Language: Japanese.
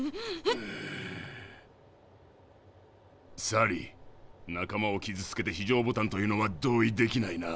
サリー仲間を傷つけて非常ボタンというのは同意できないな。